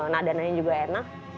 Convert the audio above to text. nadanya juga enak